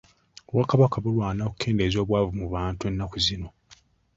Obwakabaka bulwana okukendeeza obwavu mu bantu ennaku zino.